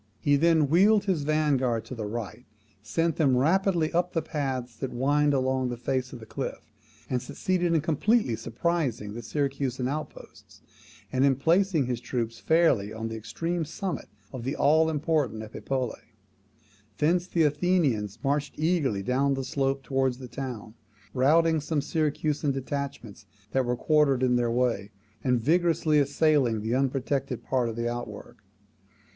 He then wheeled his vanguard to the right, sent them rapidly up the paths that wind along the face of the cliff, and succeeded in completely surprising the Syracusan outposts, and in placing his troops fairly on the extreme summit of the all important Epipolae. Thence the Athenians marched eagerly down the slope towards the town, routing some Syracusan detachments that were quartered in their way, and vigorously assailing the unprotected part of the outwork.